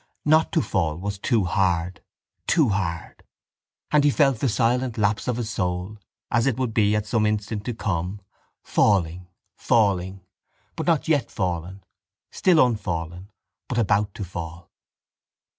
Not to fall was too hard, too hard; and he felt the silent lapse of his soul, as it would be at some instant to come, falling, falling, but not yet fallen, still unfallen, but about to fall.